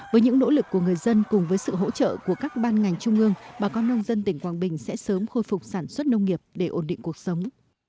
với những nỗ lực của người dân cùng với sự hỗ trợ của các ban ngành trung ương bà con nông dân tỉnh quảng bình sẽ sớm khôi phục sản xuất nông nghiệp để ổn định cuộc sống